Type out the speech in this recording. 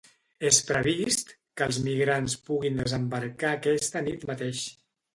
És previst que els migrants puguin desembarcar aquesta nit mateix.